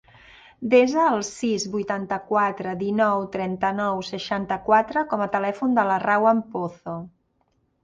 Desa el sis, vuitanta-quatre, dinou, trenta-nou, seixanta-quatre com a telèfon de la Rawan Pozo.